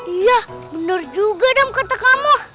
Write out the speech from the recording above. iya bener juga dam kata kamu